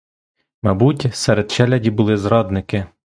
Мабуть, серед челяді були зрадники.